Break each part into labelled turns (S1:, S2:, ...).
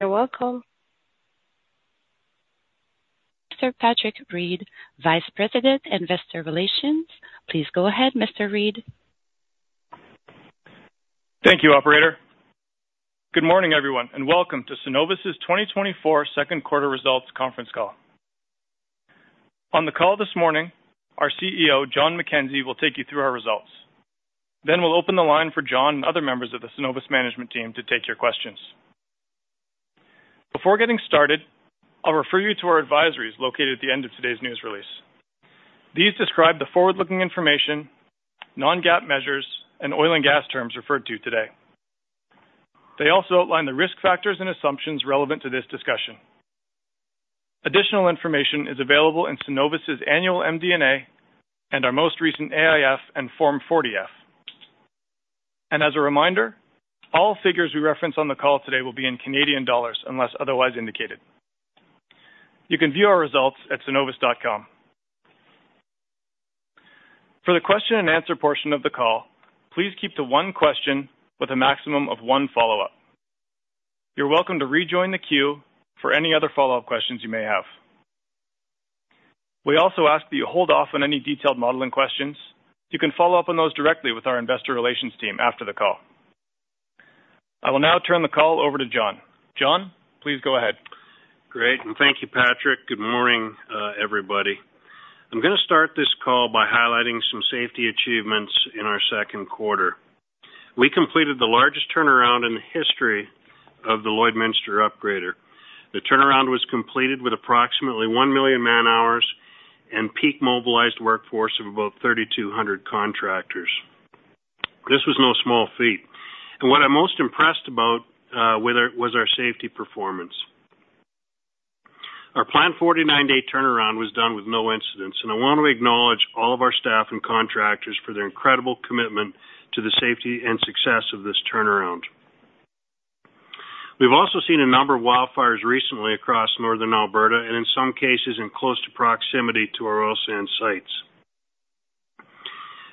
S1: You're welcome. Mr. Patrick Reid, Vice President, Investor Relations. Please go ahead, Mr. Reid.
S2: Thank you, Operator. Good morning, everyone, and welcome to Cenovus's 2024 Q2 Results Conference Call. On the call this morning, our CEO, Jon McKenzie, will take you through our results. Then we'll open the line for Jon and other members of the Cenovus management team to take your questions. Before getting started, I'll refer you to our advisories located at the end of today's news release. These describe the forward-looking information, non-GAAP measures, and oil and gas terms referred to today. They also outline the risk factors and assumptions relevant to this discussion. Additional information is available in Cenovus's annual MD&A and our most recent AIF and Form 40F. As a reminder, all figures we reference on the call today will be in Canadian dollars unless otherwise indicated. You can view our results at cenovus.com. For the question-and-answer portion of the call, please keep to one question with a maximum of one follow-up. You're welcome to rejoin the queue for any other follow-up questions you may have. We also ask that you hold off on any detailed modeling questions. You can follow up on those directly with our Investor Relations team after the call. I will now turn the call over to Jon. Jon, please go ahead.
S3: Great. And thank you, Patrick. Good morning, everybody. I'm going to start this call by highlighting some safety achievements in our Q2. We completed the largest turnaround in the history of the Lloydminster upgrader. The turnaround was completed with approximately 1 million man-hours and peak mobilized workforce of about 3,200 contractors. This was no small feat. And what I'm most impressed about was our safety performance. Our planned 49-day turnaround was done with no incidents, and I want to acknowledge all of our staff and contractors for their incredible commitment to the safety and success of this turnaround. We've also seen a number of wildfires recently across northern Alberta and, in some cases, in close proximity to our oil sands sites.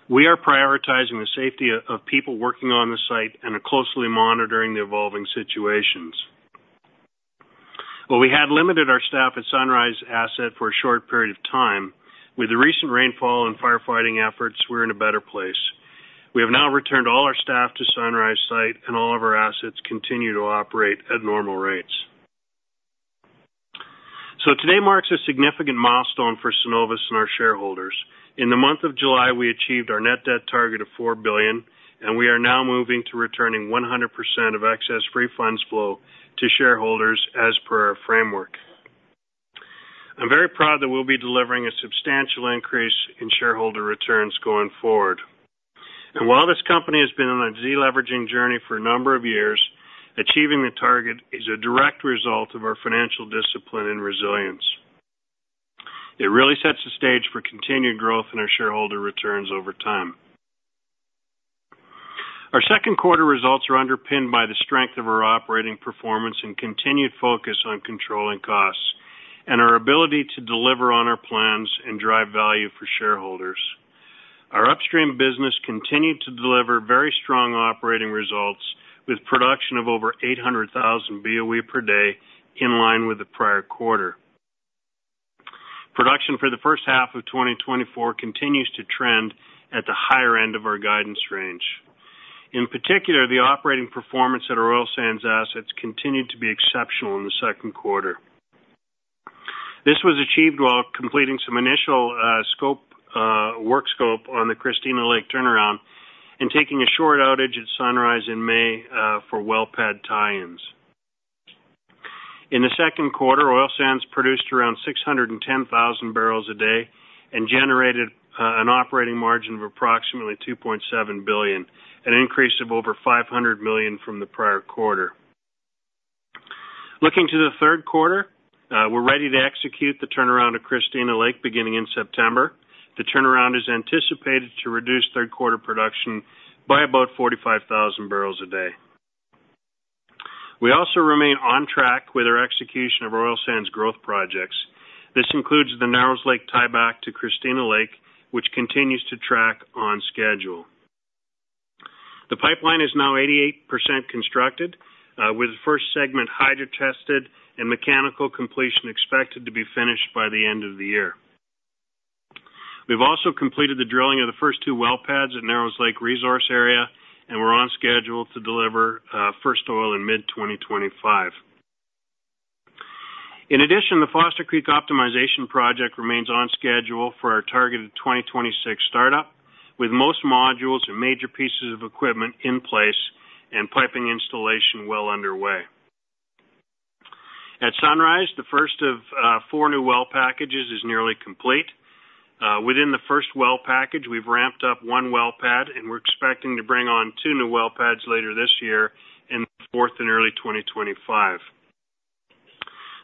S3: We are prioritizing the safety of people working on the site and are closely monitoring the evolving situations. While we had limited our staff at Sunrise asset for a short period of time, with the recent rainfall and firefighting efforts, we're in a better place. We have now returned all our staff to Sunrise site, and all of our assets continue to operate at normal rates. So today marks a significant milestone for Cenovus and our shareholders. In the month of July, we achieved our net debt target of 4 billion, and we are now moving to returning 100% of excess free funds flow to shareholders as per our framework. I'm very proud that we'll be delivering a substantial increase in shareholder returns going forward. And while this company has been on a deleveraging journey for a number of years, achieving the target is a direct result of our financial discipline and resilience. It really sets the stage for continued growth in our shareholder returns over time. Our Q2 results are underpinned by the strength of our operating performance and continued focus on controlling costs and our ability to deliver on our plans and drive value for shareholders. Our upstream business continued to deliver very strong operating results with production of over 800,000 BOE per day in line with the prior quarter. Production for the first half of 2024 continues to trend at the higher end of our guidance range. In particular, the operating performance at our oil sands assets continued to be exceptional in the Q2. This was achieved while completing some initial work scope on the Christina Lake turnaround and taking a short outage at Sunrise in May for well pad tie-ins. In the Q2, oil sands produced around 610,000 bpd and generated an operating margin of approximately 2.7 billion, an increase of over 500 million from the prior quarter. Looking to the Q3, we're ready to execute the turnaround at Christina Lake beginning in September. The turnaround is anticipated to reduce Q3 production by about 45,000 bpd. We also remain on track with our execution of oil sands growth projects. This includes the Narrows Lake tieback to Christina Lake, which continues to track on schedule. The pipeline is now 88% constructed, with the first segment hydro-tested and mechanical completion expected to be finished by the end of the year. We've also completed the drilling of the first 2 well pads at Narrows Lake resource area, and we're on schedule to deliver first oil in mid-2025. In addition, the Foster Creek optimization project remains on schedule for our targeted 2026 startup, with most modules and major pieces of equipment in place and piping installation well underway. At Sunrise, the first of four new well packages is nearly complete. Within the first well package, we've ramped up one well pad, and we're expecting to bring on two new well pads later this year in the fourth and early 2025.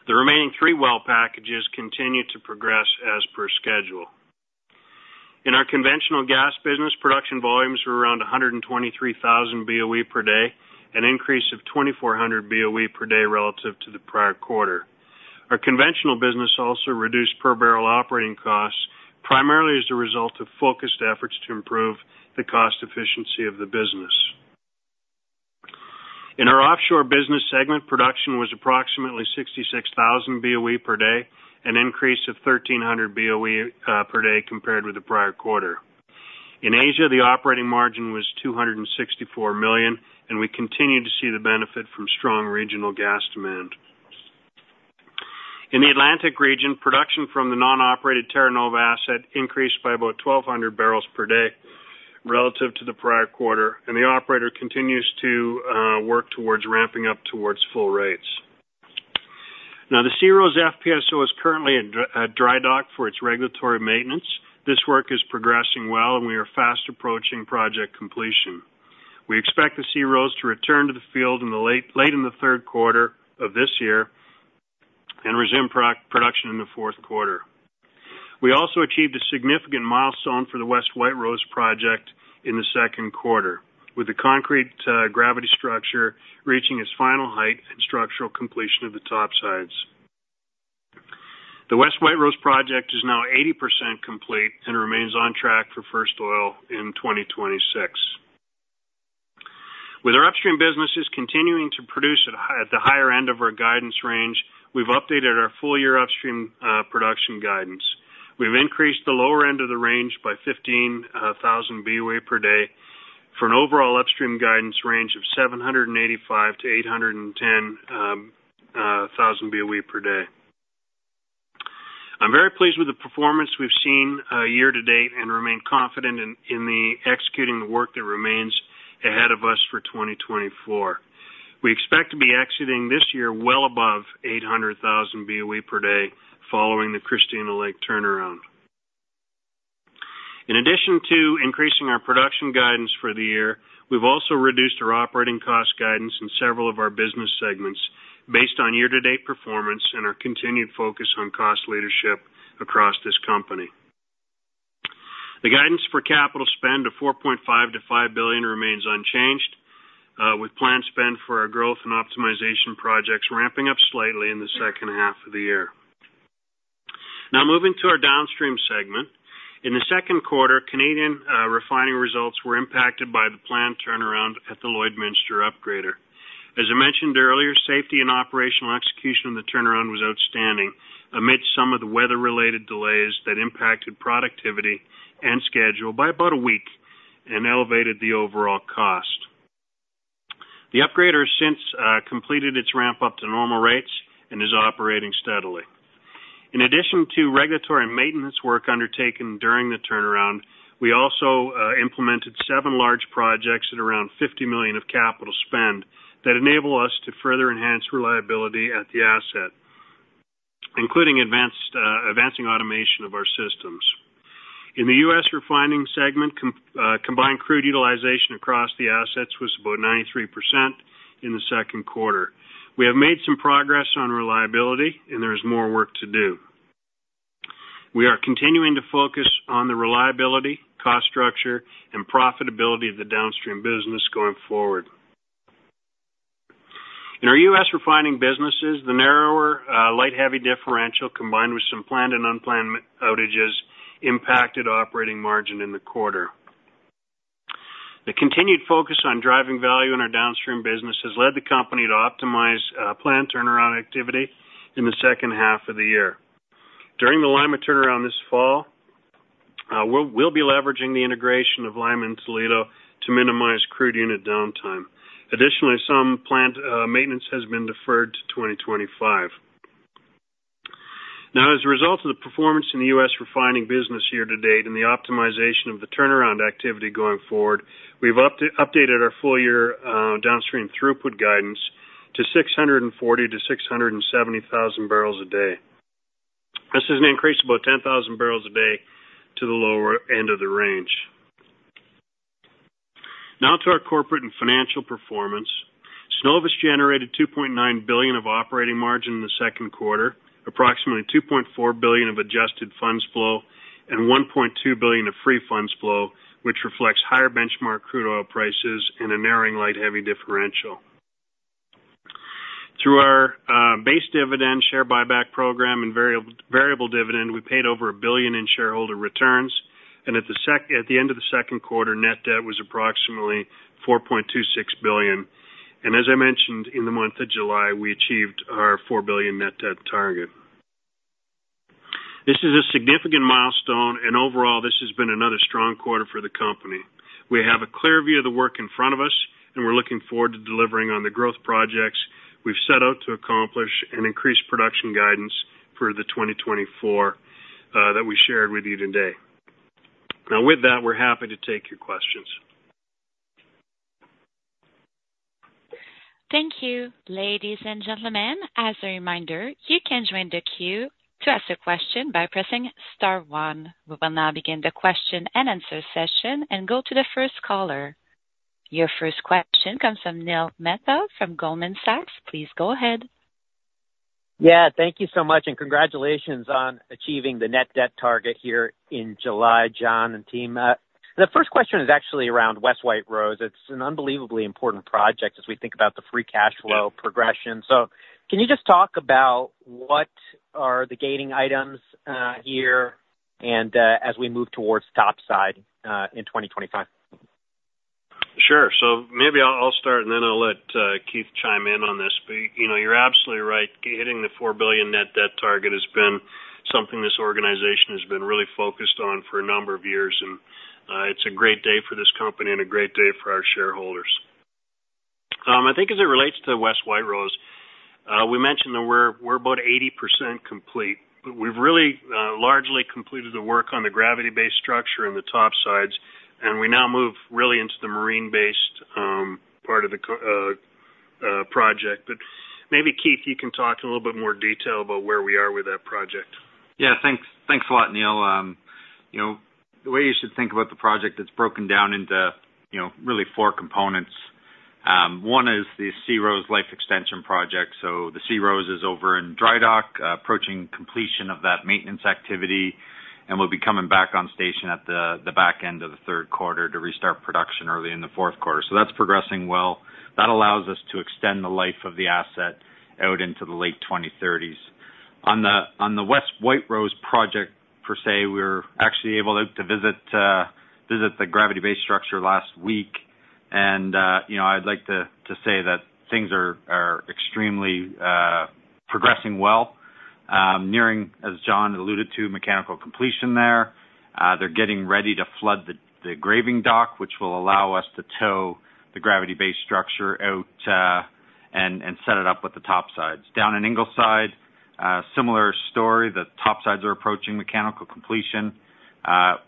S3: The remaining three well packages continue to progress as per schedule. In our conventional gas business, production volumes were around 123,000 BOE per day, an increase of 2,400 BOE per day relative to the prior quarter. Our conventional business also reduced per barrel operating costs primarily as a result of focused efforts to improve the cost efficiency of the business. In our offshore business segment, production was approximately 66,000 BOE per day, an increase of 1,300 BOE per day compared with the prior quarter. In Asia, the operating margin was 264 million, and we continue to see the benefit from strong regional gas demand. In the Atlantic region, production from the non-operated Terra Nova asset increased by about 1,200 bpd relative to the prior quarter, and the operator continues to work towards ramping up towards full rates. Now, the SeaRose FPSO is currently at dry dock for its regulatory maintenance. This work is progressing well, and we are fast approaching project completion. We expect the SeaRose to return to the field late in the Q3 of this year and resume production in the Q4. We also achieved a significant milestone for the West White Rose project in the Q2, with the concrete gravity structure reaching its final height and structural completion of the top sides. The West White Rose project is now 80% complete and remains on track for first oil in 2026. With our upstream businesses continuing to produce at the higher end of our guidance range, we've updated our full-year upstream production guidance. We've increased the lower end of the range by 15,000 BOE per day for an overall upstream guidance range of 785,000-810,000 BOE per day. I'm very pleased with the performance we've seen year to date and remain confident in executing the work that remains ahead of us for 2024. We expect to be exiting this year well above 800,000 BOE per day following the Christina Lake turnaround. In addition to increasing our production guidance for the year, we've also reduced our operating cost guidance in several of our business segments based on year-to-date performance and our continued focus on cost leadership across this company. The guidance for capital spend of 4.5 to 5 billion remains unchanged, with planned spend for our growth and optimization projects ramping up slightly in the second half of the year. Now, moving to our downstream segment. In the Q2, Canadian refining results were impacted by the planned turnaround at the Lloydminster upgrader. As I mentioned earlier, safety and operational execution of the turnaround was outstanding amidst some of the weather-related delays that impacted productivity and schedule by about a week and elevated the overall cost. The upgrader has since completed its ramp-up to normal rates and is operating steadily. In addition to regulatory maintenance work undertaken during the turnaround, we also implemented seven large projects at around 50 million of capital spend that enable us to further enhance reliability at the asset, including advancing automation of our systems. In the U.S. refining segment, combined crude utilization across the assets was about 93% in the Q2. We have made some progress on reliability, and there is more work to do. We are continuing to focus on the reliability, cost structure, and profitability of the downstream business going forward. In our U.S. refining businesses, the narrower light-heavy differential combined with some planned and unplanned outages impacted operating margin in the quarter. The continued focus on driving value in our downstream business has led the company to optimize planned turnaround activity in the second half of the year. During the lineup of turnarounds this fall, we'll be leveraging the integration of Lima and Toledo to minimize crude unit downtime. Additionally, some plant maintenance has been deferred to 2025. Now, as a result of the performance in the U.S. Refining business year to date and the optimization of the turnaround activity going forward, we've updated our full-year downstream throughput guidance to 640,000 to 670,000 bpd. This is an increase of about 10,000 bpd to the lower end of the range. Now, to our corporate and financial performance. Cenovus generated 2.9 billion of operating margin in the Q2, approximately 2.4 billion of adjusted funds flow, and 1.2 billion of free funds flow, which reflects higher benchmark crude oil prices and a narrowing light-heavy differential. Through our base dividend, share buyback program, and variable dividend, we paid over 1 billion in shareholder returns. At the end of the Q2, net debt was approximately 4.26 billion. As I mentioned, in the month of July, we achieved our 4 billion net debt target. This is a significant milestone, and overall, this has been another strong quarter for the company. We have a clear view of the work in front of us, and we're looking forward to delivering on the growth projects we've set out to accomplish and increase production guidance for the 2024 that we shared with you today. Now, with that, we're happy to take your questions.
S1: Thank you, ladies and gentlemen. As a reminder, you can join the queue to ask a question by pressing star one. We will now begin the question and answer session and go to the first caller. Your first question comes from Neil Mehta from Goldman Sachs. Please go ahead.
S4: Yeah, thank you so much, and congratulations on achieving the net debt target here in July, Jon and team. The first question is actually around West White Rose. It's an unbelievably important project as we think about the free cash flow progression. So can you just talk about what are the gating items here as we move towards topside in 2025? Sure. So maybe I'll start, and then I'll let Keith chime in on this. You're absolutely right. Hitting the 4 billion net debt target has been something this organization has been really focused on for a number of years, and it's a great day for this company and a great day for our shareholders. I think as it relates to West White Rose, we mentioned that we're about 80% complete. We've really largely completed the work on the gravity-based structure and the top sides, and we now move really into the marine-based part of the project. But maybe Keith, you can talk in a little bit more detail about where we are with that project.
S5: Yeah, thanks a lot, Neil. The way you should think about the project, it's broken down into really four components. One is the SeaRose Life Extension project. So the SeaRose is over in dry dock, approaching completion of that maintenance activity, and we'll be coming back on station at the back end of the Q3 to restart production early in the Q4. So that's progressing well. That allows us to extend the life of the asset out into the late 2030s. On the West White Rose project per se, we were actually able to visit the gravity-based structure last week, and I'd like to say that things are extremely progressing well. Nearing, as Jon alluded to, mechanical completion there. They're getting ready to flood the graving dock, which will allow us to tow the gravity-based structure out and set it up with the top sides. Down in Ingleside, similar story. The topsides are approaching mechanical completion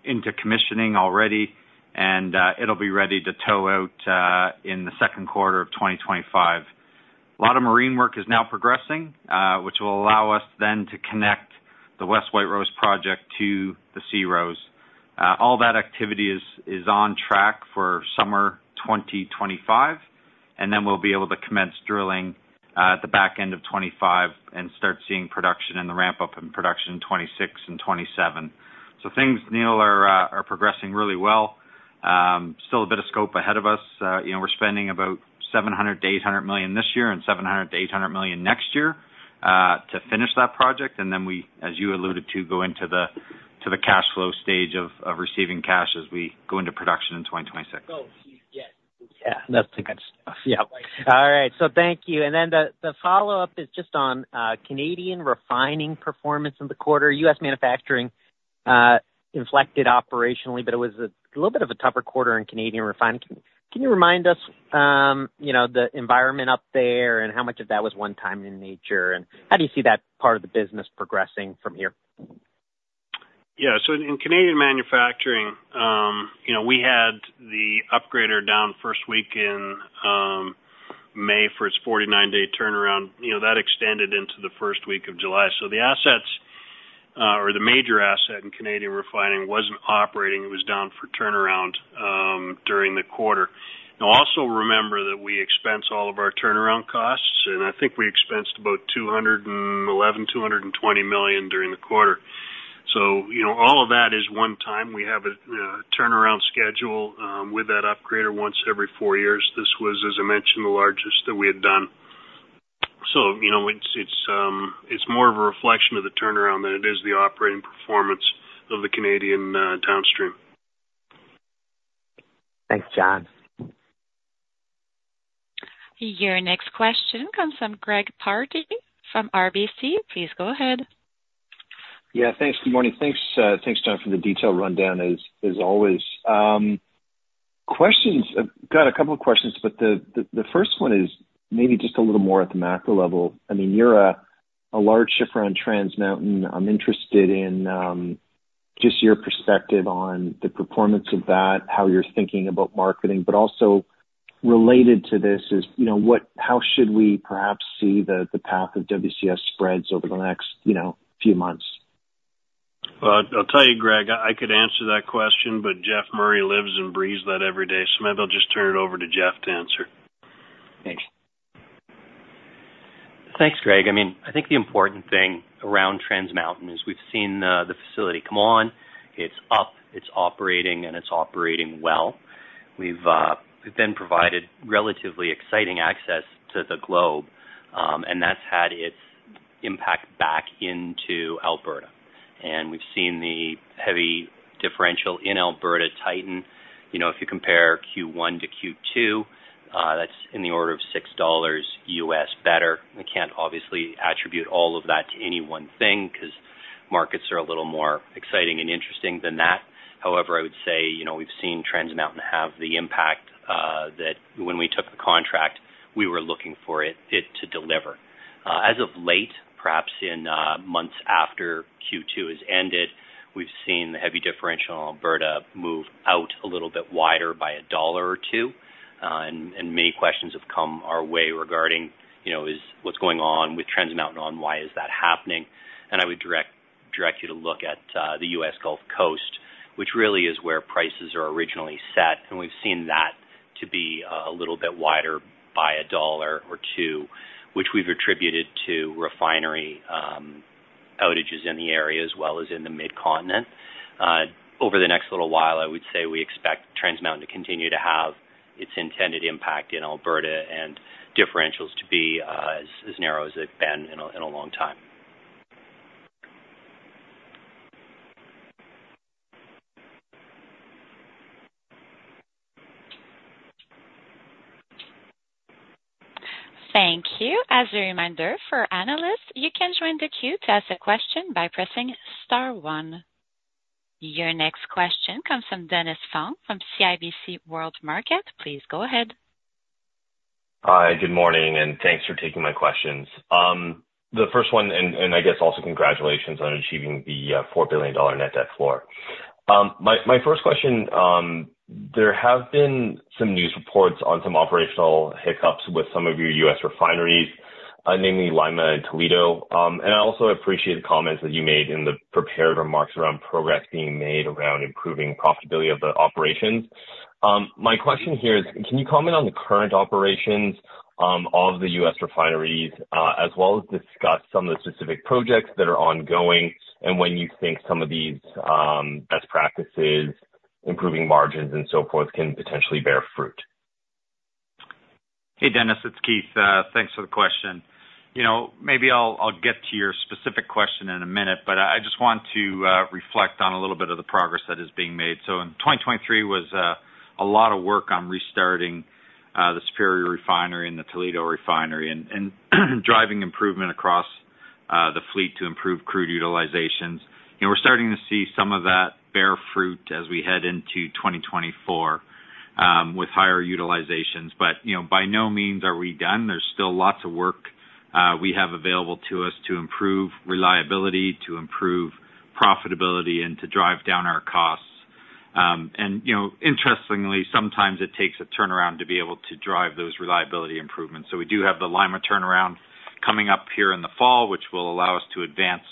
S5: into commissioning already, and it'll be ready to tow out in the Q2 of 2025. A lot of marine work is now progressing, which will allow us then to connect the West White Rose Project to the SeaRose. All that activity is on track for summer 2025, and then we'll be able to commence drilling at the back end of 2025 and start seeing production and the ramp-up in production in 2026 and 2027. So things, Neil, are progressing really well. Still a bit of scope ahead of us. We're spending about 700 to 800 million this year and 700 to 800 million next year to finish that project. And then we, as you alluded to, go into the cash flow stage of receiving cash as we go into production in 2026.
S4: Yeah, that's the good stuff. Yeah. All right. So thank you. And then the follow-up is just on Canadian refining performance in the quarter. U.S. manufacturing inflected operationally, but it was a little bit of a tougher quarter in Canadian refining. Can you remind us the environment up there and how much of that was one-time in nature? And how do you see that part of the business progressing from here?
S3: Yeah. So in Canadian manufacturing, we had the upgrader down first week in May for its 49-day turnaround. That extended into the first week of July. So the assets or the major asset in Canadian refining wasn't operating. It was down for turnaround during the quarter. Now, also remember that we expense all of our turnaround costs, and I think we expensed about 211 to 220 million during the quarter. So all of that is one time. We have a turnaround schedule with that upgrader once every four years. This was, as I mentioned, the largest that we had done. So it's more of a reflection of the turnaround than it is the operating performance of the Canadian downstream.
S5: Thanks, Jon.
S1: Your next question comes from Greg Pardy from RBC. Please go ahead.
S6: Yeah, thanks. Good morning. Thanks, Jon, for the detailed rundown, as always. Got a couple of questions, but the first one is maybe just a little more at the macro level. I mean, you're a large shipper on Trans Mountain. I'm interested in just your perspective on the performance of that, how you're thinking about marketing. But also related to this is how should we perhaps see the path of WCS spreads over the next few months?
S3: Well, I'll tell you, Greg, I could answer that question, but Geoff Murray lives and breathes that every day. So maybe I'll just turn it over to Jeff to answer.
S6: Thanks.
S7: Thanks, Greg. I mean, I think the important thing around Trans Mountain is we've seen the facility come on. It's up, it's operating, and it's operating well. We've then provided relatively exciting access to the globe, and that's had its impact back into Alberta. And we've seen the heavy differential in Alberta tighten. If you compare Q1 to Q2, that's in the order of $6 better. We can't obviously attribute all of that to any one thing because markets are a little more exciting and interesting than that. However, I would say we've seen Trans Mountain have the impact that when we took the contract, we were looking for it to deliver. As of late, perhaps in months after Q2 has ended, we've seen the heavy differential in Alberta move out a little bit wider by $1 or $2.
S5: Many questions have come our way regarding what's going on with Trans Mountain on why is that happening. I would direct you to look at the U.S. Gulf Coast, which really is where prices are originally set. We've seen that to be a little bit wider by $1 or 2, which we've attributed to refinery outages in the area as well as in the mid-continent. Over the next little while, I would say we expect Trans Mountain to continue to have its intended impact in Alberta and differentials to be as narrow as they've been in a long time.
S1: Thank you. As a reminder for analysts, you can join the queue to ask a question by pressing star one. Your next question comes from Dennis Fong from CIBC World Markets. Please go ahead.
S8: Hi, good morning, and thanks for taking my questions. The first one, and I guess also congratulations on achieving the $4 billion net debt floor. My first question, there have been some news reports on some operational hiccups with some of your U.S. refineries, namely Lima and Toledo. And I also appreciate the comments that you made in the prepared remarks around progress being made around improving profitability of the operations. My question here is, can you comment on the current operations of the U.S. refineries, as well as discuss some of the specific projects that are ongoing and when you think some of these best practices, improving margins, and so forth can potentially bear fruit?
S5: Hey, Dennis, it's Keith. Thanks for the question. Maybe I'll get to your specific question in a minute, but I just want to reflect on a little bit of the progress that is being made. So in 2023, it was a lot of work on restarting the Superior refinery and the Toledo refinery and driving improvement across the fleet to improve crude utilizations. We're starting to see some of that bear fruit as we head into 2024 with higher utilizations. But by no means are we done. There's still lots of work we have available to us to improve reliability, to improve profitability, and to drive down our costs. And interestingly, sometimes it takes a turnaround to be able to drive those reliability improvements. So we do have the Lima turnaround coming up here in the fall, which will allow us to advance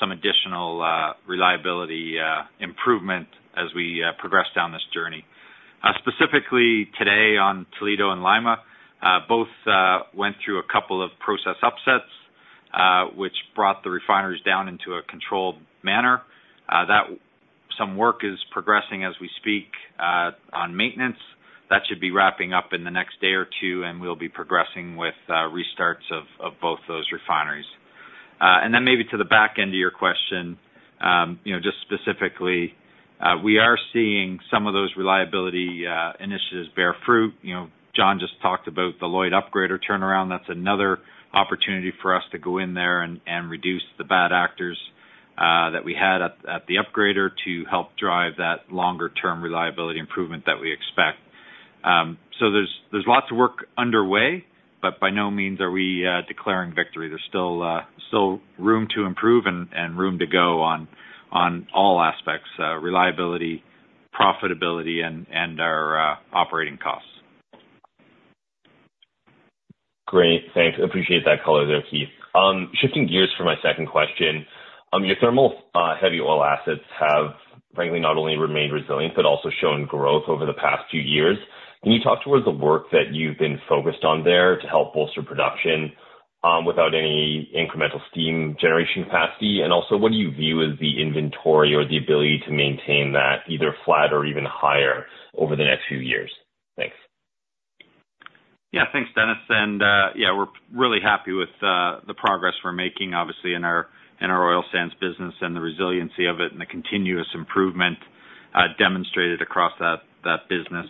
S5: some additional reliability improvement as we progress down this journey. Specifically today on Toledo and Lima, both went through a couple of process upsets, which brought the refineries down into a controlled manner. Some work is progressing as we speak on maintenance. That should be wrapping up in the next day or two, and we'll be progressing with restarts of both those refineries. And then maybe to the back end of your question, just specifically, we are seeing some of those reliability initiatives bear fruit. Jon just talked about the Lloyd upgrader turnaround. That's another opportunity for us to go in there and reduce the bad actors that we had at the upgrader to help drive that longer-term reliability improvement that we expect. There's lots of work underway, but by no means are we declaring victory. There's still room to improve and room to go on all aspects: reliability, profitability, and our operating costs.
S8: Great. Thanks. Appreciate that color there, Keith. Shifting gears for my second question, your thermal heavy oil assets have, frankly, not only remained resilient but also shown growth over the past few years. Can you talk to us about the work that you've been focused on there to help bolster production without any incremental steam generation capacity? And also, what do you view as the inventory or the ability to maintain that either flat or even higher over the next few years? Thanks.
S5: Yeah, thanks, Dennis. Yeah, we're really happy with the progress we're making, obviously, in our oil sands business and the resiliency of it and the continuous improvement demonstrated across that business.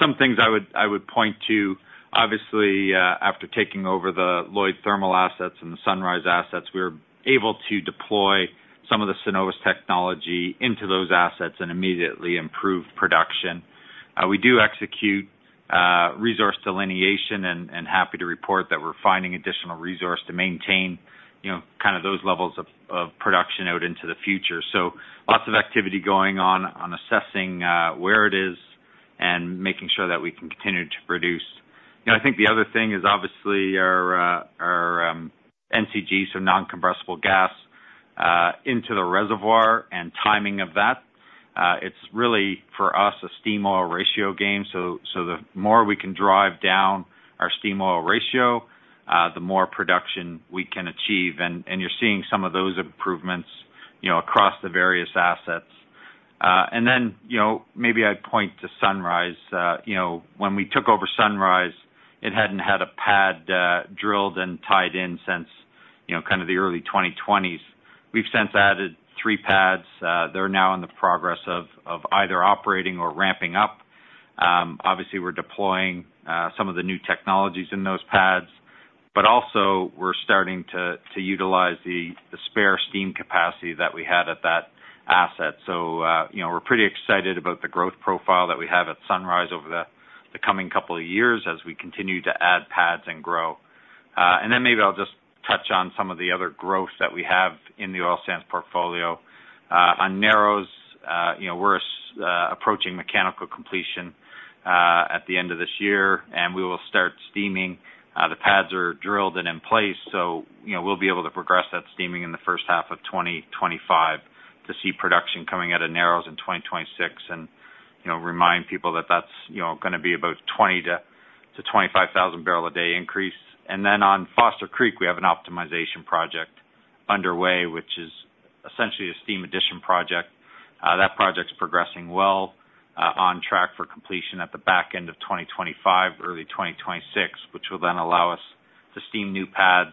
S5: Some things I would point to, obviously, after taking over the Lloyd thermal assets and the Sunrise assets, we were able to deploy some of the Cenovus technology into those assets and immediately improve production. We do execute resource delineation and happy to report that we're finding additional resource to maintain kind of those levels of production out into the future. Lots of activity going on assessing where it is and making sure that we can continue to produce. I think the other thing is obviously our NCG, so non-condensable gas, into the reservoir and timing of that. It's really, for us, a steam oil ratio game. So the more we can drive down our steam oil ratio, the more production we can achieve. And you're seeing some of those improvements across the various assets. And then maybe I'd point to Sunrise. When we took over Sunrise, it hadn't had a pad drilled and tied in since kind of the early 2020s. We've since added three pads. They're now in the progress of either operating or ramping up. Obviously, we're deploying some of the new technologies in those pads, but also we're starting to utilize the spare steam capacity that we had at that asset. So we're pretty excited about the growth profile that we have at Sunrise over the coming couple of years as we continue to add pads and grow. And then maybe I'll just touch on some of the other growth that we have in the oil sands portfolio. On Narrows, we're approaching mechanical completion at the end of this year, and we will start steaming. The pads are drilled and in place, so we'll be able to progress that steaming in the first half of 2025 to see production coming out of Narrows in 2026 and remind people that that's going to be about 20,000 to 25,000 bpd increase. And then on Foster Creek, we have an optimization project underway, which is essentially a steam addition project. That project's progressing well, on track for completion at the back end of 2025, early 2026, which will then allow us to steam new pads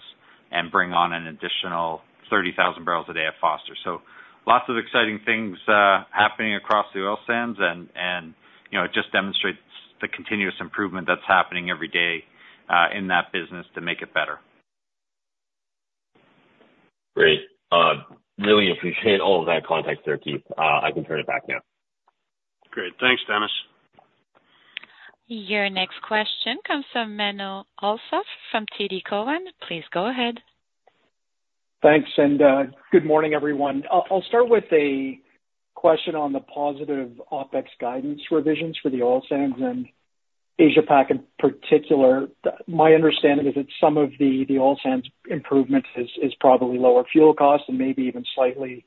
S5: and bring on an additional 30,000 bpd at Foster. So lots of exciting things happening across the oil sands, and it just demonstrates the continuous improvement that's happening every day in that business to make it better.
S8: Great. Really appreciate all of that context there, Keith. I can turn it back now.
S3: Great. Thanks, Dennis.
S1: Your next question comes from Menno Hulshof from TD Cowen. Please go ahead.
S9: Thanks. Good morning, everyone. I'll start with a question on the positive OpEx guidance revisions for the oil sands and Asia-Pac in particular. My understanding is that some of the oil sands improvement is probably lower fuel costs and maybe even slightly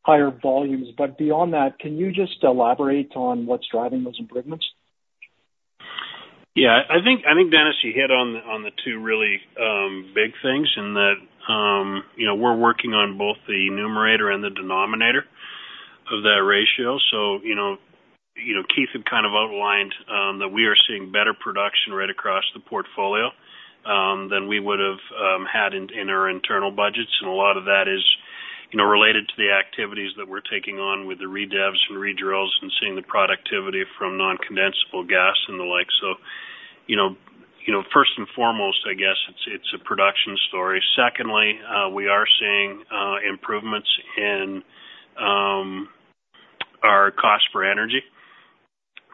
S9: higher volumes. But beyond that, can you just elaborate on what's driving those improvements?
S3: Yeah. I think, Dennis, you hit on the two really big things in that we're working on both the numerator and the denominator of that ratio. So Keith had kind of outlined that we are seeing better production right across the portfolio than we would have had in our internal budgets. And a lot of that is related to the activities that we're taking on with the redevs and redrills and seeing the productivity from non-condensable gas and the like. So first and foremost, I guess, it's a production story. Secondly, we are seeing improvements in our cost for energy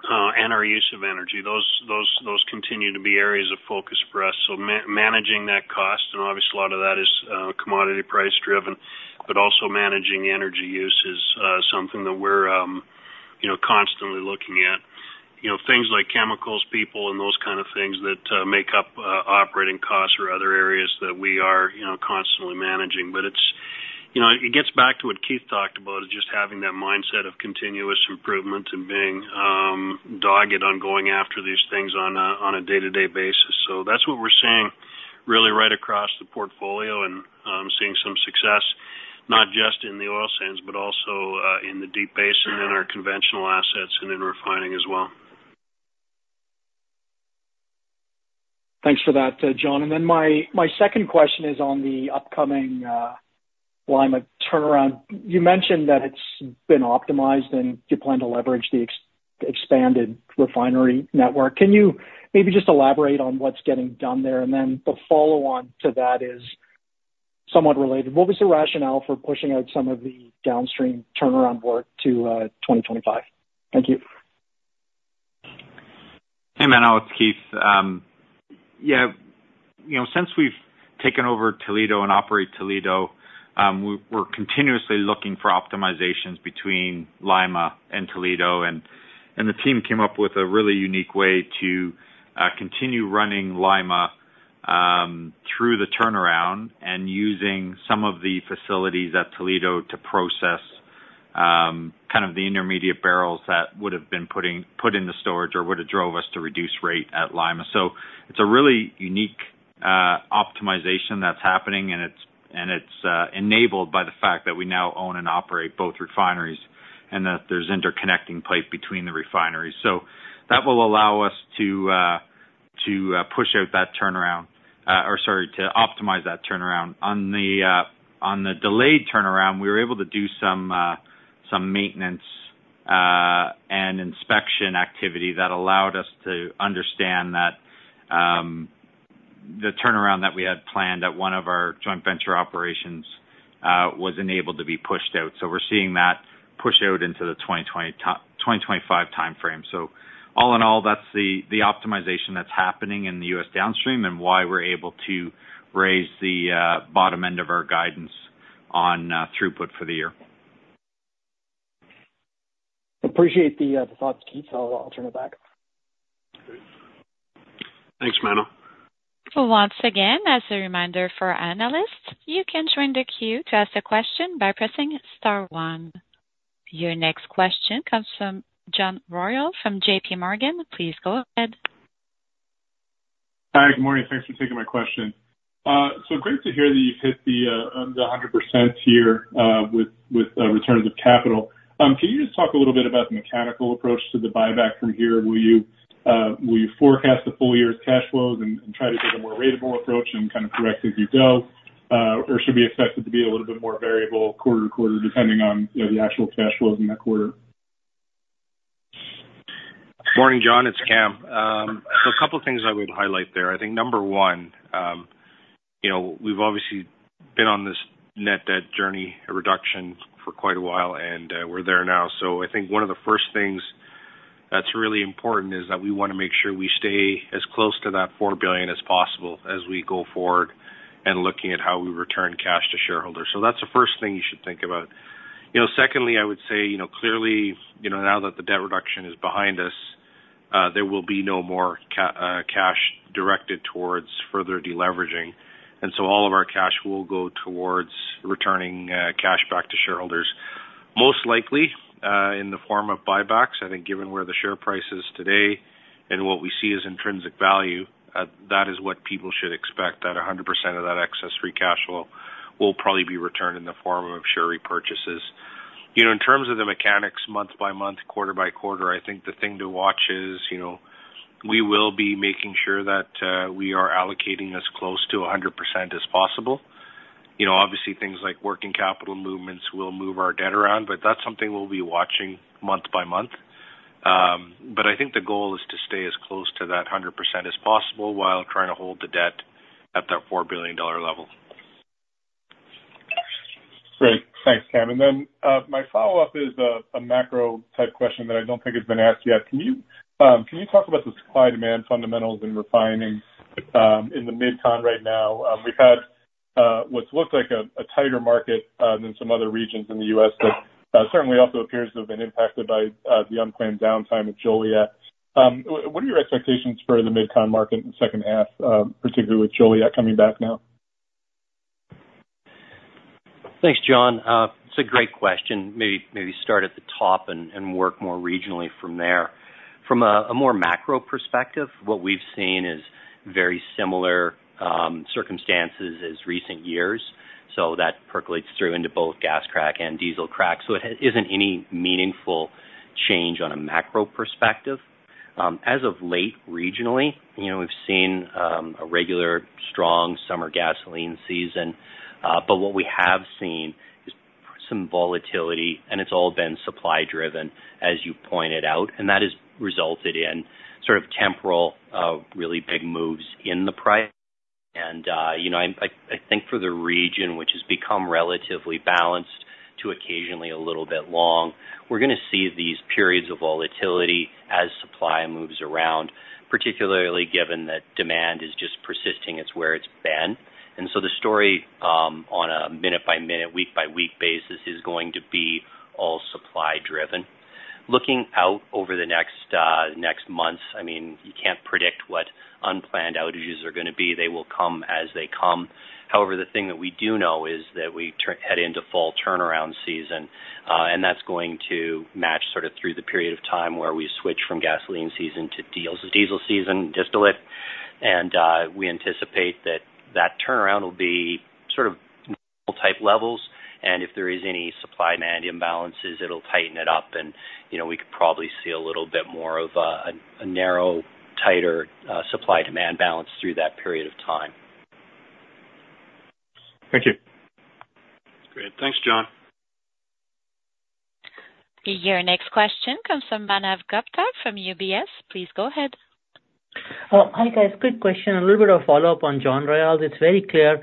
S3: and our use of energy. Those continue to be areas of focus for us. So managing that cost, and obviously, a lot of that is commodity price driven, but also managing energy use is something that we're constantly looking at. Things like chemicals, people, and those kinds of things that make up operating costs or other areas that we are constantly managing. But it gets back to what Keith talked about, is just having that mindset of continuous improvement and being dogged on going after these things on a day-to-day basis. So that's what we're seeing really right across the portfolio and seeing some success, not just in the oil sands, but also in the Deep Basin and in our conventional assets and in refining as well.
S9: Thanks for that, Jon. And then my second question is on the upcoming Lloydminster turnaround. You mentioned that it's been optimized and you plan to leverage the expanded refinery network. Can you maybe just elaborate on what's getting done there? And then the follow-on to that is somewhat related. What was the rationale for pushing out some of the downstream turnaround work to 2025? Thank you.
S5: Hey, Menno. It's Keith. Yeah. Since we've taken over Toledo and operate Toledo, we're continuously looking for optimizations between Lloydminster and Toledo. And the team came up with a really unique way to continue running Lloydminster through the turnaround and using some of the facilities at Toledo to process kind of the intermediate barrels that would have been put in the storage or would have drove us to reduce rate at Lloydminster. So it's a really unique optimization that's happening, and it's enabled by the fact that we now own and operate both refineries and that there's interconnecting pipe between the refineries. So that will allow us to push out that turnaround or, sorry, to optimize that turnaround. On the delayed turnaround, we were able to do some maintenance and inspection activity that allowed us to understand that the turnaround that we had planned at one of our joint venture operations was enabled to be pushed out. So we're seeing that push out into the 2025 timeframe. So all in all, that's the optimization that's happening in the U.S. downstream and why we're able to raise the bottom end of our guidance on throughput for the year.
S9: Appreciate the thoughts, Keith. I'll turn it back.
S3: Thanks, Manal.
S1: So once again, as a reminder for analysts, you can join the queue to ask a question by pressing star one. Your next question comes from John Royall from J.P. Morgan. Please go ahead.
S10: Hi, good morning. Thanks for taking my question. So great to hear that you've hit the 100% year with returns of capital. Can you just talk a little bit about the mechanical approach to the buyback from here? Will you forecast the full year's cash flows and try to take a more ratable approach and kind of correct as you go? Or should we expect it to be a little bit more variable quarter to quarter depending on the actual cash flows in that quarter?
S11: Morning, John. It's Kam. So a couple of things I would highlight there. I think number one, we've obviously been on this net debt journey reduction for quite a while, and we're there now. So I think one of the first things that's really important is that we want to make sure we stay as close to that 4 billion as possible as we go forward and looking at how we return cash to shareholders. So that's the first thing you should think about. Secondly, I would say clearly, now that the debt reduction is behind us, there will be no more cash directed towards further deleveraging. And so all of our cash will go towards returning cash back to shareholders, most likely in the form of buybacks. I think given where the share price is today and what we see as intrinsic value, that is what people should expect, that 100% of that excess free cash flow will probably be returned in the form of share repurchases. In terms of the mechanics, month by month, quarter by quarter, I think the thing to watch is we will be making sure that we are allocating as close to 100% as possible. Obviously, things like working capital movements will move our debt around, but that's something we'll be watching month by month. I think the goal is to stay as close to that 100% as possible while trying to hold the debt at that 4 billion dollar level.
S10: Great. Thanks, Kam. Then my follow-up is a macro-type question that I don't think has been asked yet. Can you talk about the supply-demand fundamentals in refining in the mid-con right now? We've had what looked like a tighter market than some other regions in the U.S. that certainly also appears to have been impacted by the unplanned downtime of Joliet. What are your expectations for the mid-con market in the second half, particularly with Joliet coming back now?
S5: Thanks, John. It's a great question. Maybe start at the top and work more regionally from there. From a more macro perspective, what we've seen is very similar circumstances as recent years. So that percolates through into both gas crack and diesel crack. So it isn't any meaningful change on a macro perspective. As of late regionally, we've seen a regular strong summer gasoline season. But what we have seen is some volatility, and it's all been supply-driven, as you pointed out. And that has resulted in sort of temporal, really big moves in the price. And I think for the region, which has become relatively balanced to occasionally a little bit long, we're going to see these periods of volatility as supply moves around, particularly given that demand is just persisting, it's where it's been. So the story on a minute-by-minute, week-by-week basis is going to be all supply-driven. Looking out over the next months, I mean, you can't predict what unplanned outages are going to be. They will come as they come. However, the thing that we do know is that we head into fall turnaround season, and that's going to match sort of through the period of time where we switch from gasoline season to diesel season distillate. We anticipate that that turnaround will be sort of normal-type levels. And if there is any supply-demand imbalances, it'll tighten it up. We could probably see a little bit more of a narrow, tighter supply-demand balance through that period of time.
S10: Thank you.
S3: Great. Thanks, John.
S1: Your next question comes from Manav Gupta from UBS. Please go ahead.
S12: Hi, guys. Quick question. A little bit of follow-up on John Royall. It's very clear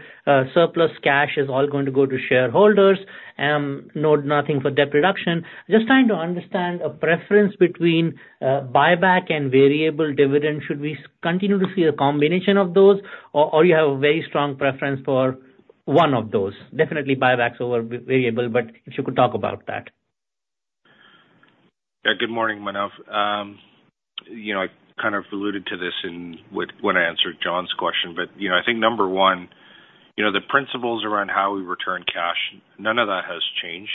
S12: surplus cash is all going to go to shareholders and nothing for debt reduction. Just trying to understand a preference between buyback and variable dividend. Should we continue to see a combination of those, or do you have a very strong preference for one of those? Definitely buybacks over variable, but if you could talk about that.
S11: Yeah. Good morning, Manav. I kind of alluded to this when I answered John's question, but I think number one, the principles around how we return cash, none of that has changed.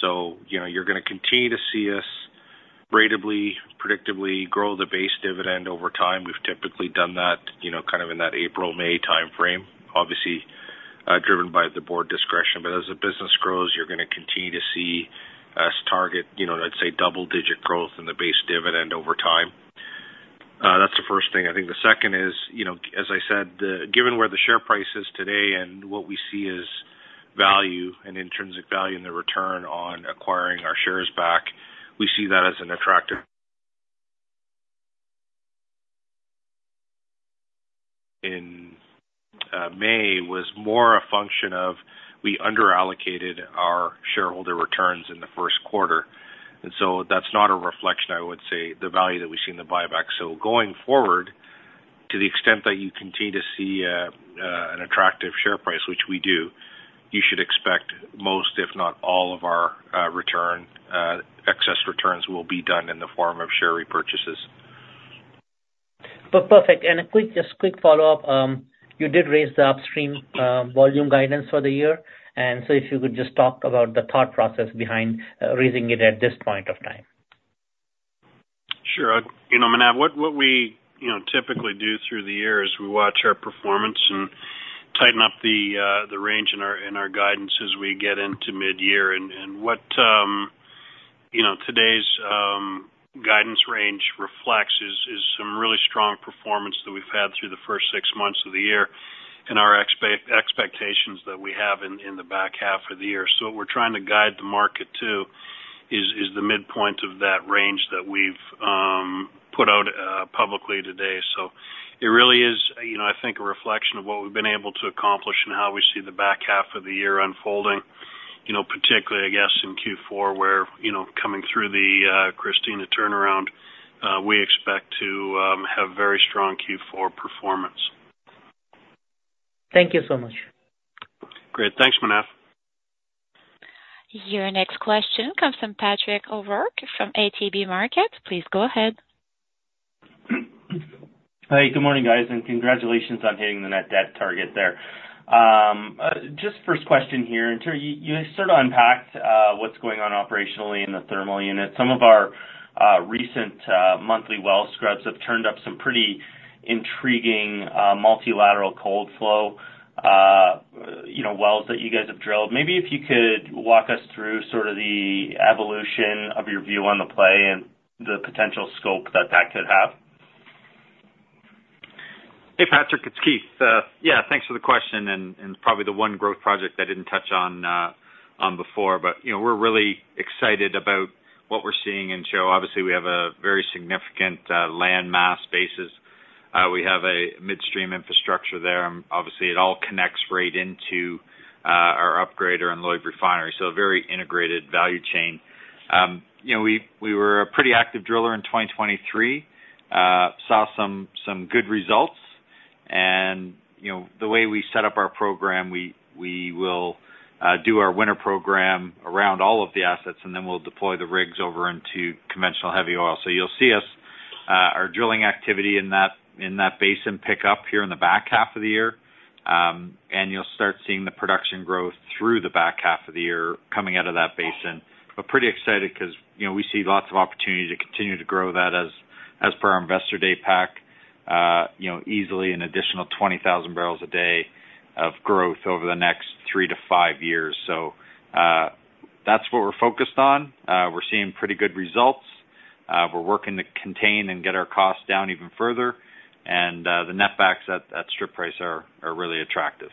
S11: So you're going to continue to see us ratably, predictably grow the base dividend over time. We've typically done that kind of in that April, May timeframe, obviously driven by the board discretion. But as the business grows, you're going to continue to see us target, I'd say, double-digit growth in the base dividend over time. That's the first thing. I think the second is, as I said, given where the share price is today and what we see as value and intrinsic value in the return on acquiring our shares back, we see that as an attractive. In May was more a function of we under allocated our shareholder returns in the Q1. That's not a reflection, I would say, the value that we see in the buyback. Going forward, to the extent that you continue to see an attractive share price, which we do, you should expect most, if not all, of our excess returns will be done in the form of share repurchases.
S12: Perfect. Just a quick follow-up. You did raise the upstream volume guidance for the year. So if you could just talk about the thought process behind raising it at this point of time?
S3: Sure. Manav, what we typically do through the year is we watch our performance and tighten up the range in our guidance as we get into mid-year. And what today's guidance range reflects is some really strong performance that we've had through the first six months of the year and our expectations that we have in the back half of the year. So what we're trying to guide the market to is the midpoint of that range that we've put out publicly today. So it really is, I think, a reflection of what we've been able to accomplish and how we see the back half of the year unfolding, particularly, I guess, in Q4, where coming through the Christina turnaround, we expect to have very strong Q4 performance.
S12: Thank you so much.
S3: Great. Thanks, Manav.
S1: Your next question comes from Patrick O'Rourke from ATB Markets. Please go ahead.
S13: Hi. Good morning, guys. Congratulations on hitting the net debt target there. Just first question here. You sort of unpacked what's going on operationally in the thermal unit. Some of our recent monthly well scrubs have turned up some pretty intriguing multilateral cold flow wells that you guys have drilled. Maybe if you could walk us through sort of the evolution of your view on the play and the potential scope that that could have.
S5: Hey, Patrick. It's Keith. Yeah. Thanks for the question. It's probably the one growth project I didn't touch on before. But we're really excited about what we're seeing in Lloyd. Obviously, we have a very significant land base. We have a midstream infrastructure there. Obviously, it all connects right into our upgrader and Lloydminster refinery. A very integrated value chain. We were a pretty active driller in 2023, saw some good results. The way we set up our program, we will do our winter program around all of the assets, and then we'll deploy the rigs over into conventional heavy oil. You'll see us, our drilling activity in that basin pick up here in the back half of the year. You'll start seeing the production growth through the back half of the year coming out of that basin. But pretty excited because we see lots of opportunity to continue to grow that as per our investor day pack easily an additional 20,000 bpd of growth over the next three to five years. So that's what we're focused on. We're seeing pretty good results. We're working to contain and get our costs down even further. And the net backs at strip price are really attractive.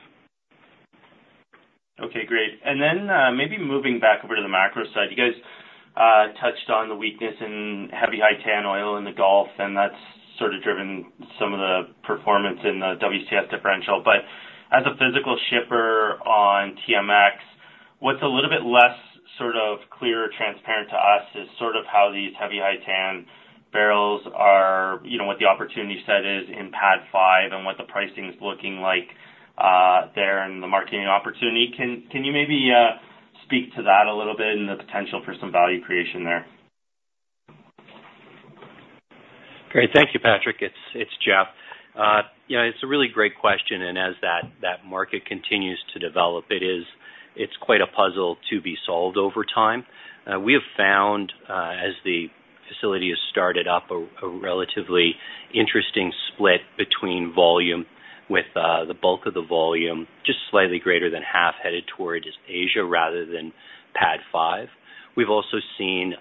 S13: Okay. Great. And then maybe moving back over to the macro side, you guys touched on the weakness in heavy high-tan oil in the Gulf, and that's sort of driven some of the performance in the WCS differential. But as a physical shipper on TMX, what's a little bit less sort of clear or transparent to us is sort of how these heavy high-tan barrels are, what the opportunity set is in PADD 5, and what the pricing is looking like there and the marketing opportunity. Can you maybe speak to that a little bit and the potential for some value creation there?
S7: Great. Thank you, Patrick. It's Geoff. It's a really great question. As that market continues to develop, it's quite a puzzle to be solved over time. We have found, as the facility has started up, a relatively interesting split between volume with the bulk of the volume just slightly greater than half headed toward Asia rather than PADD 5. We've also seen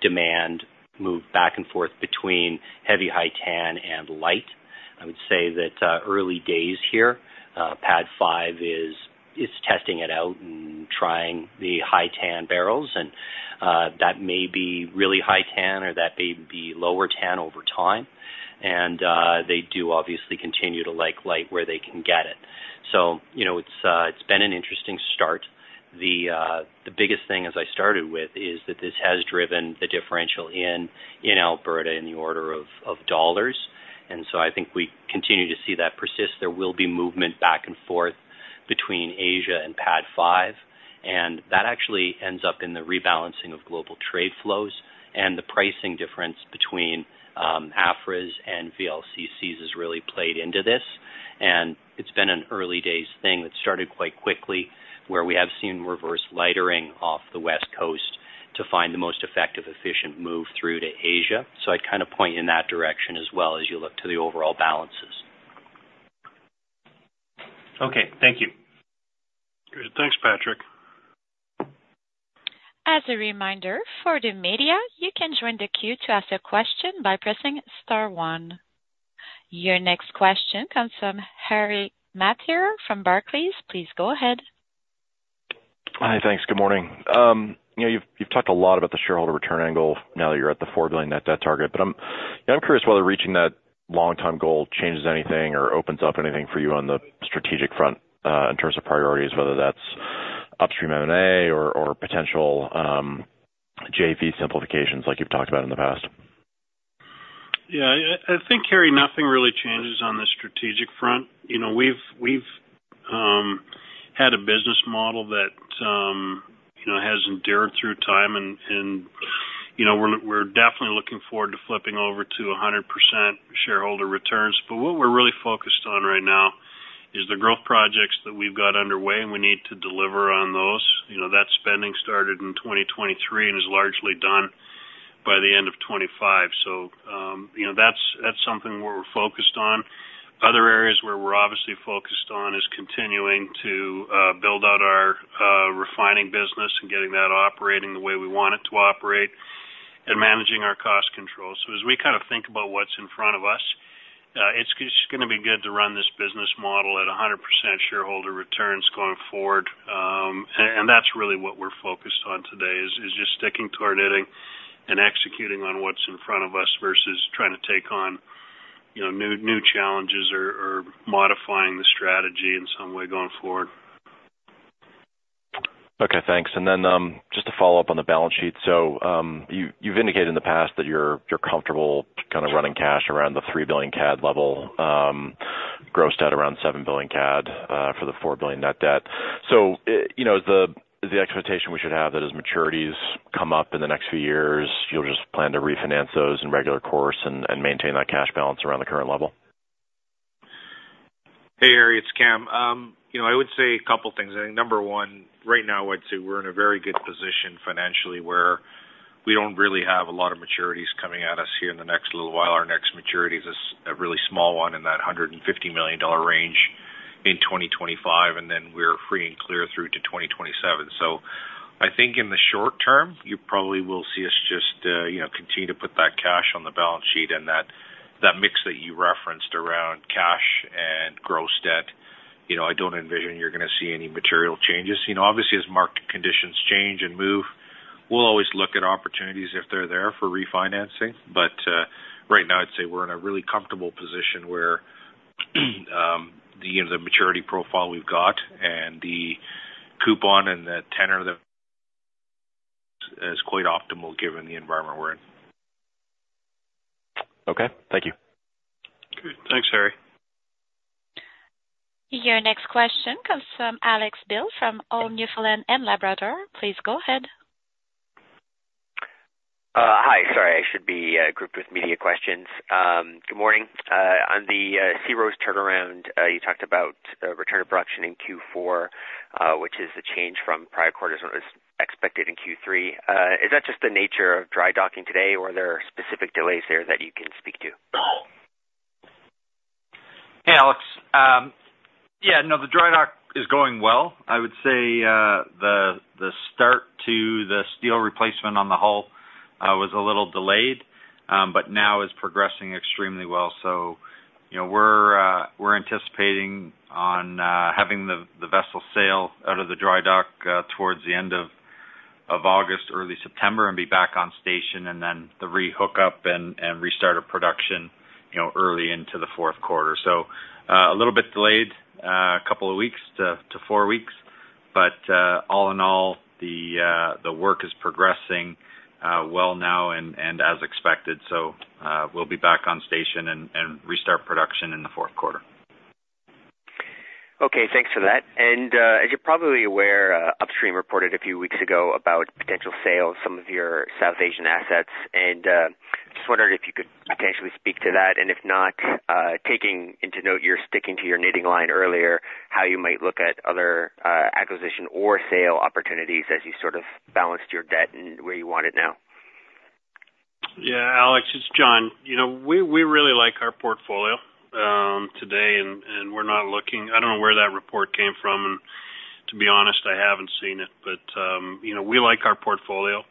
S7: demand move back and forth between heavy high-tan and light. I would say that early days here, PADD 5 is testing it out and trying the high-tan barrels. And that may be really high-tan or that may be lower-tan over time. And they do obviously continue to like light where they can get it. So it's been an interesting start. The biggest thing, as I started with, is that this has driven the differential in Alberta in the order of dollars. So I think we continue to see that persist. There will be movement back and forth between Asia and PADD 5. That actually ends up in the rebalancing of global trade flows. The pricing difference between AFRAs and VLCCs has really played into this. It's been an early days thing that started quite quickly where we have seen reverse lightering off the West Coast to find the most effective, efficient move through to Asia. So I'd kind of point in that direction as well as you look to the overall balances.
S13: Okay. Thank you.
S3: Great. Thanks, Patrick.
S1: As a reminder, for the media, you can join the queue to ask a question by pressing star one. Your next question comes from Harry Mateer from Barclays. Please go ahead.
S14: Hi. Thanks. Good morning. You've talked a lot about the shareholder return angle now that you're at the 4 billion net debt target. But I'm curious whether reaching that long-time goal changes anything or opens up anything for you on the strategic front in terms of priorities, whether that's upstream M&A or potential JV simplifications like you've talked about in the past.
S3: Yeah. I think, Harry, nothing really changes on the strategic front. We've had a business model that has endured through time. We're definitely looking forward to flipping over to 100% shareholder returns. What we're really focused on right now is the growth projects that we've got underway, and we need to deliver on those. That spending started in 2023 and is largely done by the end of 2025. That's something we're focused on. Other areas where we're obviously focused on is continuing to build out our refining business and getting that operating the way we want it to operate and managing our cost control. As we kind of think about what's in front of us, it's going to be good to run this business model at 100% shareholder returns going forward. That's really what we're focused on today is just sticking to our knitting and executing on what's in front of us versus trying to take on new challenges or modifying the strategy in some way going forward.
S14: Okay. Thanks. And then just to follow up on the balance sheet, so you've indicated in the past that you're comfortable kind of running cash around the 3 billion CAD level, gross debt around 7 billion CAD for the 4 billion net debt. So is the expectation we should have that as maturities come up in the next few years, you'll just plan to refinance those in regular course and maintain that cash balance around the current level?
S11: Hey, Harry. It's Kam. I would say a couple of things. I think number one, right now, I'd say we're in a very good position financially where we don't really have a lot of maturities coming at us here in the next little while. Our next maturity is a really small one in that $150 million range in 2025. And then we're free and clear through to 2027. So I think in the short term, you probably will see us just continue to put that cash on the balance sheet and that mix that you referenced around cash and gross debt. I don't envision you're going to see any material changes. Obviously, as market conditions change and move, we'll always look at opportunities if they're there for refinancing. Right now, I'd say we're in a really comfortable position where the maturity profile we've got and the coupon and the tenor is quite optimal given the environment we're in.
S14: Okay. Thank you.
S3: Good. Thanks, Harry.
S1: Your next question comes from Alex Bill from All Newfoundland and Labrador. Please go ahead.
S15: Hi. Sorry. I should be grouped with media questions. Good morning. On the SeaRose turnaround, you talked about return to production in Q4, which is the change from prior quarters that was expected in Q3. Is that just the nature of dry docking today, or are there specific delays there that you can speak to?
S5: Hey, Alex. Yeah. No, the dry dock is going well. I would say the start to the steel replacement on the hull was a little delayed, but now is progressing extremely well. So we're anticipating on having the vessel sail out of the dry dock towards the end of August, early September, and be back on station and then the re-hookup and restart of production early into the Q4. So a little bit delayed, a couple of weeks to four weeks. But all in all, the work is progressing well now and as expected. So we'll be back on station and restart production in the Q4.
S15: Okay. Thanks for that. And as you're probably aware, Upstream reported a few weeks ago about potential sale of some of your South Asian assets. And just wondering if you could potentially speak to that. And if not, taking into note you're sticking to your knitting line earlier, how you might look at other acquisition or sale opportunities as you sort of balanced your debt and where you want it now.
S3: Yeah. Alex, it's Jon. We really like our portfolio today, and we're not looking. I don't know where that report came from. To be honest, I haven't seen it. We like our portfolio.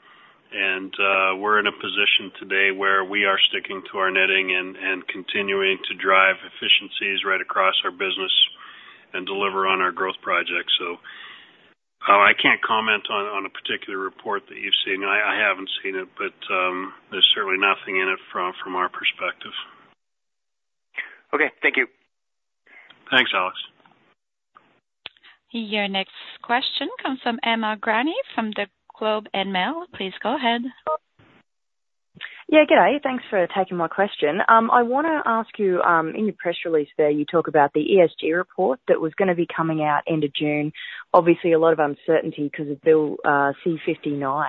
S3: We're in a position today where we are sticking to our knitting and continuing to drive efficiencies right across our business and deliver on our growth projects. I can't comment on a particular report that you've seen. I haven't seen it, but there's certainly nothing in it from our perspective.
S15: Okay. Thank you.
S3: Thanks, Alex.
S1: Your next question comes from Emma Graney from The Globe and Mail. Please go ahead.
S16: Yeah. Good day. Thanks for taking my question. I want to ask you, in your press release there, you talk about the ESG report that was going to be coming out end of June. Obviously, a lot of uncertainty because of Bill C-59.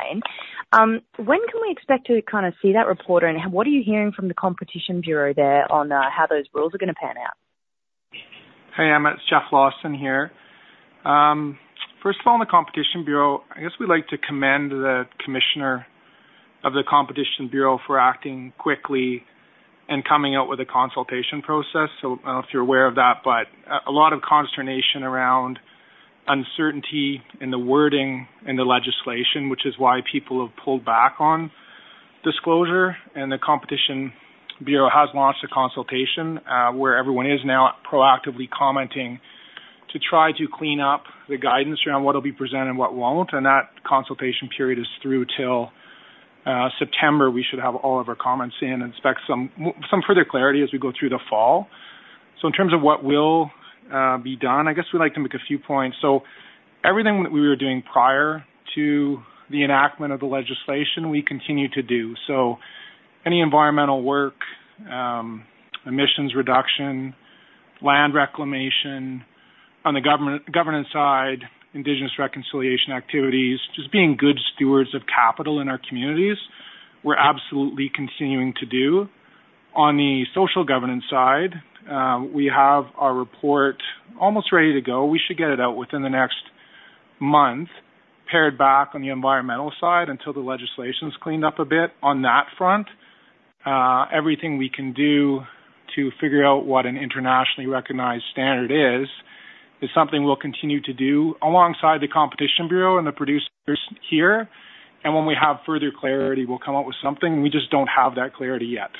S16: When can we expect to kind of see that report? And what are you hearing from the Competition Bureau there on how those rules are going to pan out?
S17: Hey, Emma. It's Jeff Lawson here. First of all, on the Competition Bureau, I guess we'd like to commend the commissioner of the Competition Bureau for acting quickly and coming out with a consultation process. So I don't know if you're aware of that, but a lot of consternation around uncertainty in the wording in the legislation, which is why people have pulled back on disclosure. And the Competition Bureau has launched a consultation where everyone is now proactively commenting to try to clean up the guidance around what will be presented and what won't. And that consultation period is through till September. We should have all of our comments in and expect some further clarity as we go through the fall. So in terms of what will be done, I guess we'd like to make a few points. So everything that we were doing prior to the enactment of the legislation, we continue to do. So any environmental work, emissions reduction, land reclamation on the governance side, Indigenous reconciliation activities, just being good stewards of capital in our communities, we're absolutely continuing to do. On the social governance side, we have our report almost ready to go. We should get it out within the next month, pared back on the environmental side until the legislation's cleaned up a bit. On that front, everything we can do to figure out what an internationally recognized standard is, is something we'll continue to do alongside the Competition Bureau and the producers here. And when we have further clarity, we'll come up with something. We just don't have that clarity yet.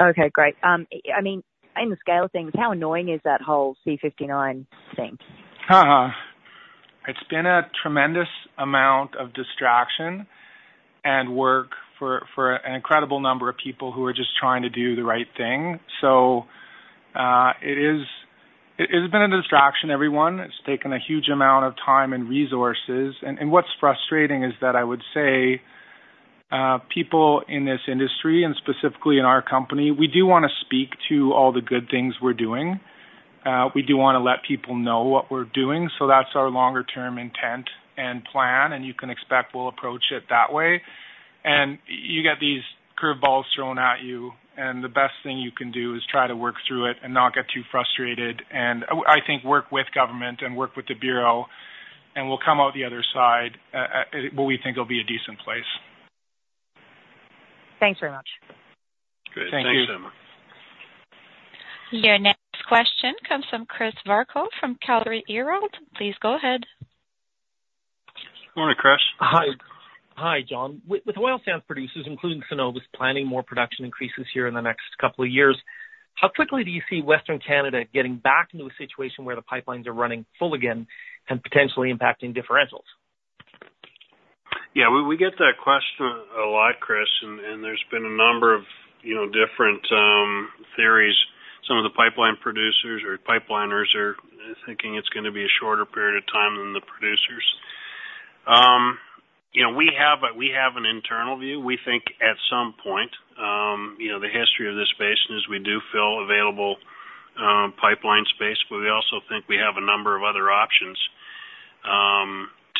S16: Okay. Great. I mean, in the scale of things, how annoying is that whole C59 thing?
S3: It's been a tremendous amount of distraction and work for an incredible number of people who are just trying to do the right thing. So it has been a distraction, everyone. It's taken a huge amount of time and resources. And what's frustrating is that I would say people in this industry, and specifically in our company, we do want to speak to all the good things we're doing. We do want to let people know what we're doing. So that's our longer-term intent and plan. And you can expect we'll approach it that way. And you get these curveballs thrown at you. And the best thing you can do is try to work through it and not get too frustrated and, I think, work with government and work with the bureau. And we'll come out the other side where we think it'll be a decent place.
S16: Thanks very much.
S3: Good. Thank you.
S5: Thanks, Emma.
S1: Your next question comes from Chris Varcoe from Calgary Herald. Please go ahead.
S3: Good morning, Chris.
S18: Hi. Hi, Jon. With oil sands producers, including Suncor, planning more production increases here in the next couple of years, how quickly do you see Western Canada getting back into a situation where the pipelines are running full again and potentially impacting differentials?
S3: Yeah. We get that question a lot, Chris. There's been a number of different theories. Some of the pipeline producers or pipeliners are thinking it's going to be a shorter period of time than the producers. We have an internal view. We think at some point, the history of this basin is we do fill available pipeline space. But we also think we have a number of other options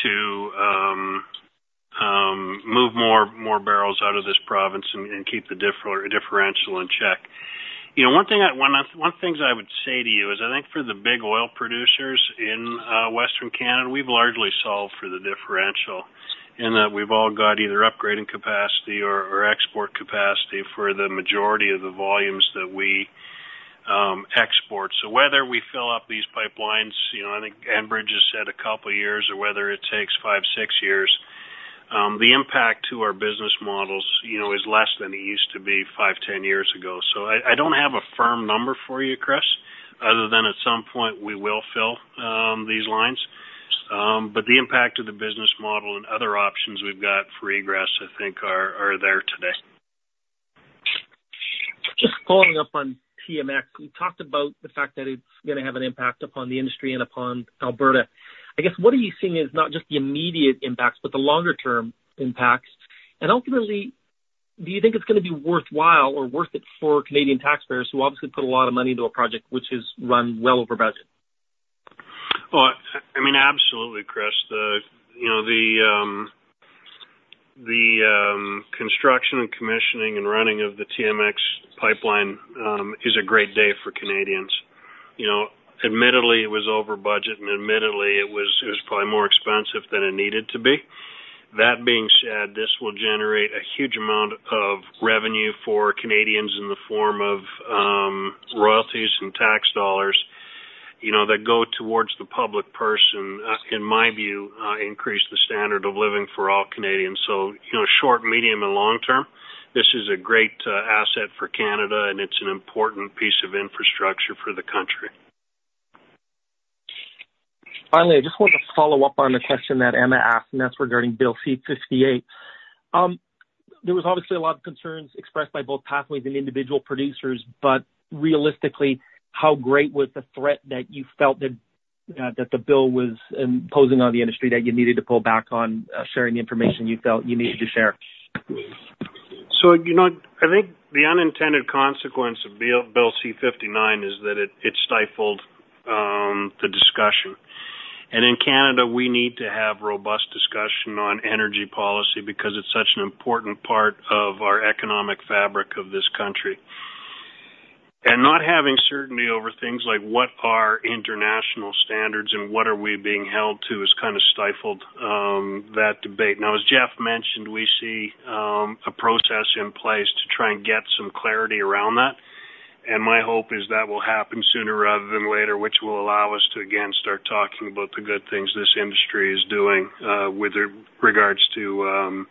S3: to move more barrels out of this province and keep the differential in check. One thing I would say to you is I think for the big oil producers in Western Canada, we've largely solved for the differential in that we've all got either upgrading capacity or export capacity for the majority of the volumes that we export. So whether we fill up these pipelines, I think Enbridge has said a couple of years, or whether it takes 5, 6 years, the impact to our business models is less than it used to be 5, 10 years ago. So I don't have a firm number for you, Chris, other than at some point we will fill these lines. But the impact of the business model and other options we've got for egress, I think, are there today.
S18: Just following up on TMX, you talked about the fact that it's going to have an impact upon the industry and upon Alberta. I guess what are you seeing is not just the immediate impacts, but the longer-term impacts. And ultimately, do you think it's going to be worthwhile or worth it for Canadian taxpayers who obviously put a lot of money into a project which has run well over budget?
S3: Well, I mean, absolutely, Chris. The construction and commissioning and running of the TMX pipeline is a great day for Canadians. Admittedly, it was over budget, and admittedly, it was probably more expensive than it needed to be. That being said, this will generate a huge amount of revenue for Canadians in the form of royalties and tax dollars that go towards the public purse, in my view, increase the standard of living for all Canadians. So short, medium, and long term, this is a great asset for Canada, and it's an important piece of infrastructure for the country.
S17: Finally, I just want to follow up on the question that Emma asked and that's regarding Bill C-58. There was obviously a lot of concerns expressed by both Pathways and individual producers. But realistically, how great was the threat that you felt that the bill was imposing on the industry that you needed to pull back on sharing the information you felt you needed to share?
S3: I think the unintended consequence of Bill C-59 is that it stifled the discussion. In Canada, we need to have robust discussion on energy policy because it's such an important part of our economic fabric of this country. Not having certainty over things like what are international standards and what are we being held to has kind of stifled that debate. Now, as Jeff mentioned, we see a process in place to try and get some clarity around that. My hope is that will happen sooner rather than later, which will allow us to, again, start talking about the good things this industry is doing with regards to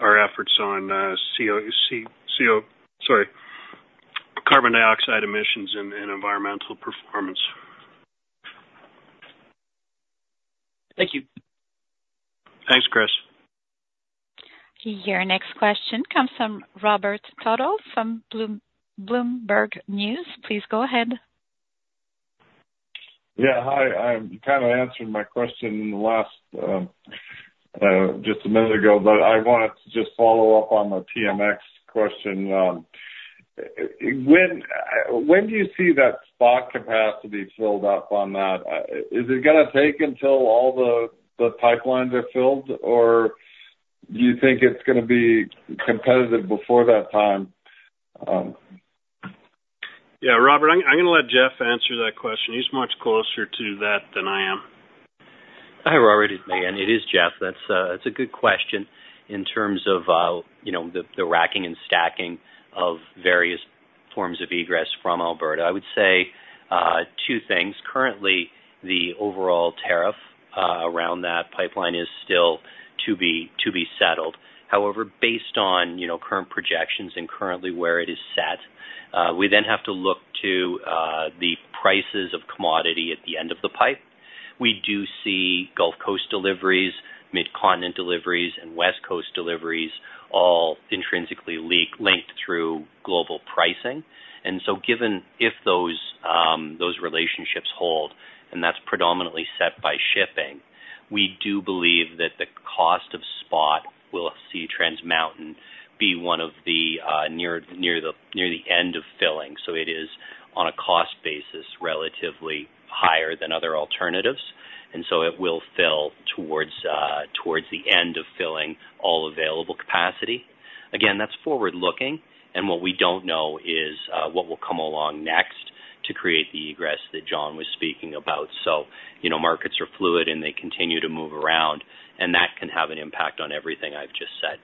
S3: our efforts on carbon dioxide emissions and environmental performance.
S18: Thank you.
S3: Thanks, Chris.
S1: Your next question comes from Robert Tuttle from Bloomberg News. Please go ahead.
S19: Yeah. Hi. I'm kind of answering my question in the last just a minute ago, but I wanted to just follow up on the TMX question. When do you see that spot capacity filled up on that? Is it going to take until all the pipelines are filled, or do you think it's going to be competitive before that time?
S3: Yeah. Robert, I'm going to let Jeff answer that question. He's much closer to that than I am.
S17: Hi, Robert. It is me. And it is Jeff. That's a good question in terms of the racking and stacking of various forms of egress from Alberta. I would say two things. Currently, the overall tariff around that pipeline is still to be settled. However, based on current projections and currently where it is set, we then have to look to the prices of commodity at the end of the pipe. We do see Gulf Coast deliveries, Midcontinent deliveries, and West Coast deliveries all intrinsically linked through global pricing. And so given if those relationships hold, and that's predominantly set by shipping, we do believe that the cost of spot we'll see Trans Mountain be one of the near the end of filling. So it is, on a cost basis, relatively higher than other alternatives. And so it will fill towards the end of filling all available capacity. Again, that's forward-looking. And what we don't know is what will come along next to create the egress that Jon was speaking about. So markets are fluid, and they continue to move around. And that can have an impact on everything I've just said.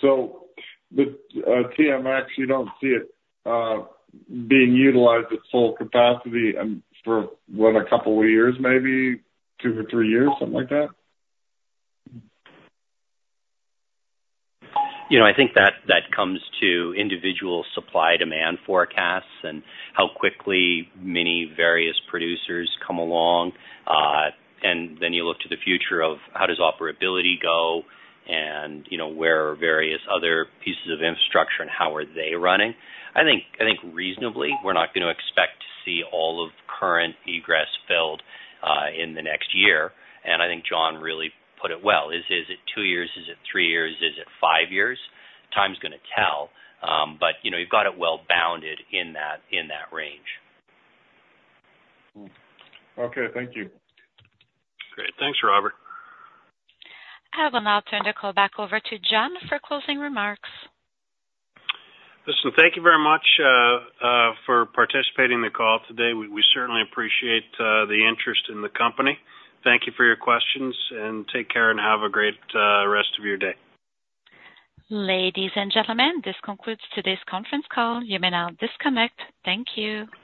S19: So the TMX, you don't see it being utilized at full capacity for, what, a couple of years, maybe two or three years, something like that?
S17: I think that comes to individual supply-demand forecasts and how quickly many various producers come along. And then you look to the future of how does operability go and where are various other pieces of infrastructure and how are they running. I think reasonably, we're not going to expect to see all of current egress filled in the next year. And I think Jon really put it well. Is it two years? Is it three years? Is it five years? Time's going to tell. But you've got it well-bounded in that range.
S19: Okay. Thank you.
S3: Great. Thanks, Robert.
S1: I'll turn the call back over to Jon for closing remarks.
S3: Listen, thank you very much for participating in the call today. We certainly appreciate the interest in the company. Thank you for your questions. Take care and have a great rest of your day.
S1: Ladies and gentlemen, this concludes today's conference call. You may now disconnect. Thank you.